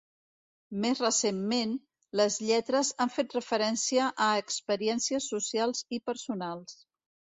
Més recentment, les lletres han fet referència a experiències socials i personals.